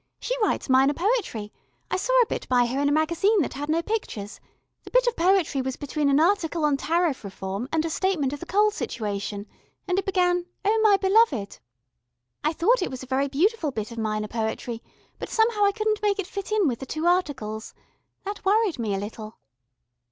"She writes Minor Poetry. I saw a bit by her in a magazine that had no pictures, the bit of poetry was between an article on Tariff Reform and a statement of the Coal Situation, and it began 'Oh my beloved....' I thought it was a very beautiful bit of Minor Poetry, but somehow I couldn't make it fit in with the two articles. That worried me a little."